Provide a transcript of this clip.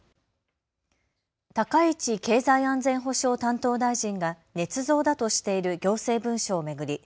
高市経済安全保障担当大臣がねつ造だとしている行政文書を巡り